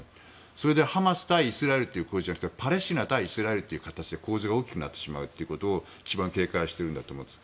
それでハマス対イスラエルという構図じゃなくてパレスチナ対イスラエルという形で構図が大きくなってしまうということを一番警戒しているんだと思うんです。